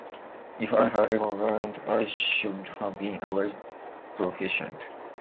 If I had ever learnt, I should have been a great proficient.